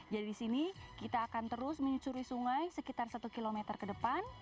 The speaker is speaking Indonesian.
jadi di sini kita akan terus menyusuri sungai sekitar satu km kaki